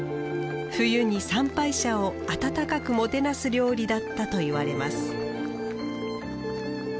冬に参拝者を温かくもてなす料理だったといわれます